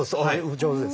上手ですね。